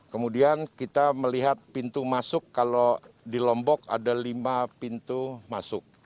kemudian kita melihat pintu masuk kalau di lombok ada lima pintu masuk